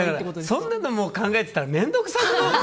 そんなのも考えてたら面倒くさくない？